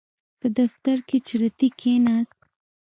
په دفتر کې چورتي کېناست.